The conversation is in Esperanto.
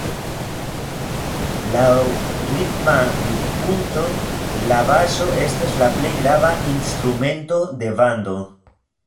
Laŭ ritma vidpunkto la baso estas la plej grava instrumento de bando.